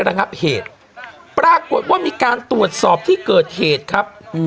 ระงับเหตุปรากฏว่ามีการตรวจสอบที่เกิดเหตุครับ